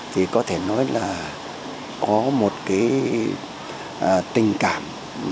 thì có thể nói là có một tình cảm